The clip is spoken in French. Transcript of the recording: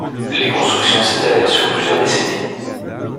Les constructions s’étalèrent sur plusieurs décennies.